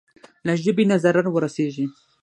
له ژبې نه ضرر ورسېږي.